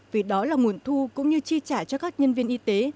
vì đó là nguồn thu cũng như chi trả cho các nhân viên y tế